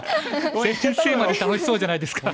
先生まで楽しそうじゃないですか。